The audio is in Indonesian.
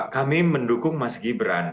kami mendukung mas gibran